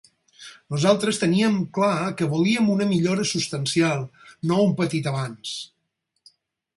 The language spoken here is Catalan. Nosaltres teníem clar que volíem una millora substancial, no un petit avanç.